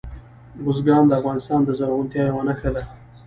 بزګان د افغانستان د زرغونتیا یوه نښه ده.